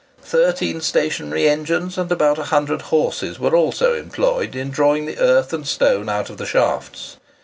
Thirteen stationary engines, and about 100 horses, were also employed in drawing the earth and stone out of the shafts.